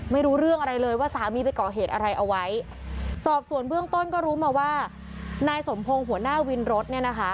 ไม่รู้เรื่องอะไรเลยว่าสามีไปก่อเหตุอะไรเอาไว้สอบส่วนเบื้องต้นก็รู้มาว่านายสมพงศ์หัวหน้าวินรถเนี่ยนะคะ